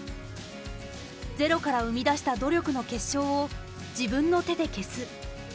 ゼロから生み出した努力の結晶を自分の手で消す。